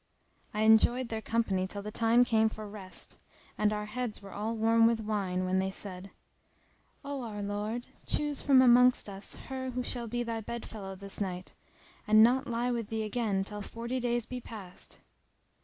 I enjoyed their company till the time came for rest; and our heads were all warm with wine, when they said, "O our lord, choose from amongst us her who shall be thy bed fellow this night and not lie with thee again till forty days be past."